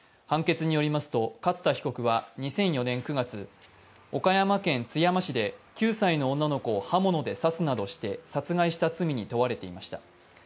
判決によりますと勝田被告は２００４年９月、岡山県津山市で９歳の女の子を刃物で刺すなどして殺害した罪に問われていました。